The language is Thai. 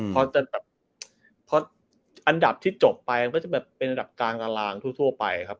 เพราะว่าอันดับที่จบไปก็จะเป็นอันดับกลางทั่วไปครับ